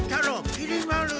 きり丸！